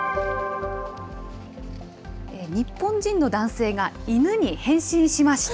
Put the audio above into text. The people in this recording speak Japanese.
日本人の男性が犬に変身しました。